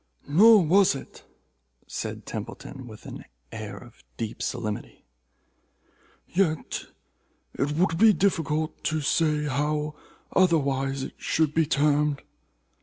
"Nor was it," said Templeton, with an air of deep solemnity, "yet it would be difficult to say how otherwise it should be termed.